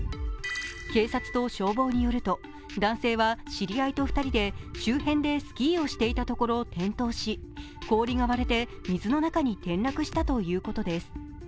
警察と消防によると男性は知り合いと２人で周辺でスキーをしていたところ転倒し、氷が割れて水の中に転落したということです。